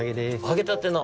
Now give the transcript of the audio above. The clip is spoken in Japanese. あげたての。